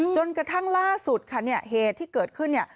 จนกระทั่งล่าสุดเหตุที่เกิดขึ้น